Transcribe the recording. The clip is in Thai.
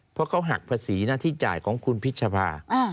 เพราะเขาหักภาษีหน้าที่จ่ายของคุณพิชภา